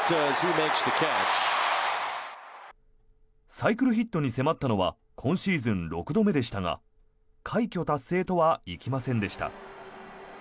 サイクルヒットに迫ったのは今シーズン６度目でしたが快挙達成とはいきませんでした。